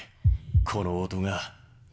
この音が。